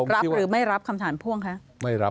รับหรือไม่รับมึงคำถามพ่วงยังไงคะ